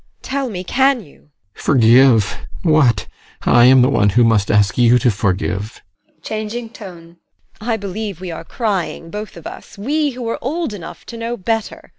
Tell me, can you? GUSTAV. Forgive? What? I am the one who must ask you to forgive. TEKLA. [Changing tone] I believe we are crying, both of us we who are old enough to know better!